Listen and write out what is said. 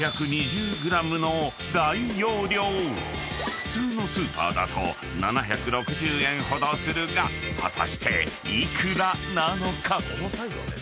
［普通のスーパーだと７６０円ほどするが果たして幾らなのか？］